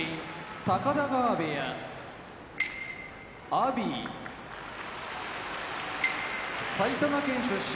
高田川部屋阿炎埼玉県出身